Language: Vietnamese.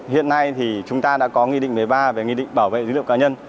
hiện nay thì chúng ta đã có nghị định một mươi ba về nghị định bảo vệ dữ liệu cá nhân